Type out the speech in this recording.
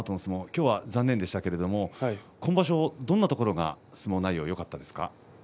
今日は残念でしたけれども今場所、どんなところが相撲内容、よかったですか。